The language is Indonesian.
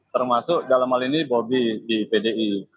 termasuk dalam hal ini bobi di pdi